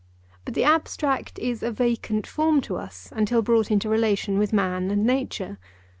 But the abstract is a vacant form to us until brought into relation with man and nature.